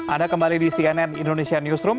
anda kembali di cnn indonesia newsroom